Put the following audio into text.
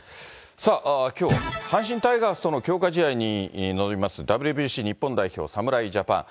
さあ、きょう、阪神タイガースとの強化試合に臨みますＷＢＣ日本代表、侍ジャパン。